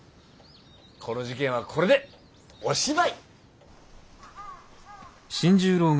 この事件はこれでおしまい。